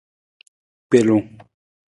Gbelung.